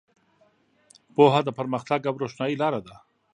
پوهه د پرمختګ او روښنایۍ لاره ده.